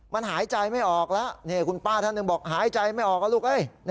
มันหายใจไม่ออกแล้วนี่คุณป้าท่านหนึ่งบอกหายใจไม่ออกแล้วลูก